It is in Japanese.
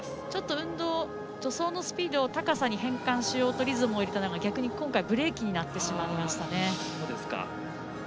運動、助走のスピードを高さに変換しようとリズムに入れたのが逆にブレーキになってしまいましたね。